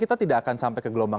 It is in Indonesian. itu tiga gelombang